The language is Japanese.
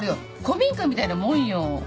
古民家みたいなもんよ。